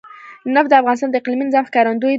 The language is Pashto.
نفت د افغانستان د اقلیمي نظام ښکارندوی ده.